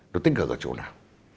nó tích cực ở chỗ nào